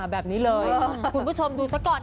แบบนี้เลยคุณผู้ชมดูซะก่อน